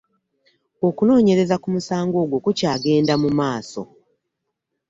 Okunoonyereza ku musango ogwo kukyagenda mu maaso.